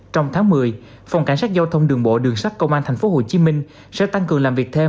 trong tháng một mươi phòng cảnh sát giao thông đường bộ đường sắt công an tp hcm sẽ tăng cường làm việc thêm